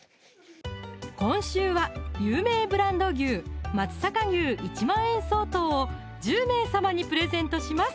今週は有名ブランド牛松阪牛１万円相当を１０名様にプレゼントします